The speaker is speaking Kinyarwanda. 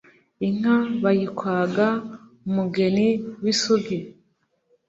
Inka bayikwaga umugeni wisugi